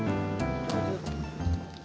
上手。